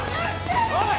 おい！